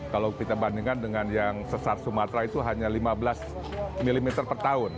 kalau kita bandingkan dengan yang sesar sumatera itu hanya lima belas mm per tahun